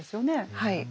はい。